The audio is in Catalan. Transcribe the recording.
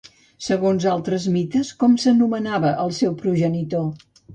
Segons altres mites, com s'anomenava el seu progenitor?